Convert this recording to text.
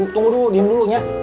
tunggu dulu diam dulu ya